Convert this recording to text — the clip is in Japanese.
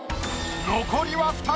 残りは２人！